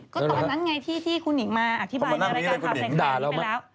ก็ตอนนั้นไงที่คุณหญิงมาอธิบายในรายการข่าวใส่ไข่ไปแล้ว